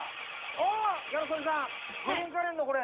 おおっギャル曽根さんグリーンカレーのこれ。